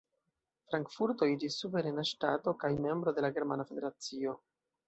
Frankfurto iĝis suverena ŝtato kaj membro de la Germana Federacio.